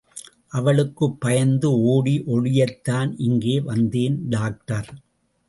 அவளுக்குப் பயந்து ஓடி ஒளியத்தான் இங்கே வந்தேன் டாக்டர்.